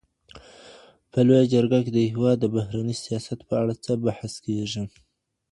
په لویه جرګه کي د هیواد د بهرني سیاست په اړه څه بحث کیږي؟